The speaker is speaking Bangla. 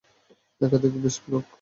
এখানে বিস্ফোরক আছে।